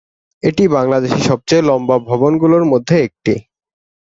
এটি বাংলাদেশের সবচেয়ে লম্বা ভবনগুলোর মধ্যে একটি।